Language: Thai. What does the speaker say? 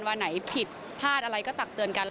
วันไหนผิดพลาดอะไรก็ตักเตือนกัน